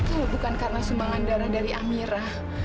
itu bukan karena sumbangan darah dari amirah